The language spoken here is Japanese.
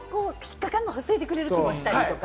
あれが引っかかるのを防いでくれる気もしたりとか。